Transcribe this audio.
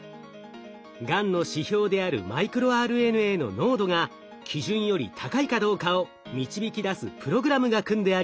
がんの指標であるマイクロＲＮＡの濃度が基準より高いかどうかを導き出すプログラムが組んであります。